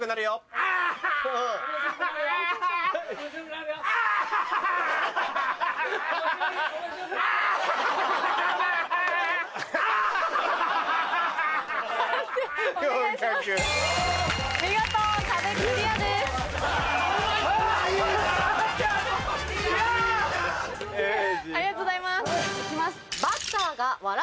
ありがとうございます行きます！